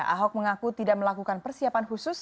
ahok mengaku tidak melakukan persiapan khusus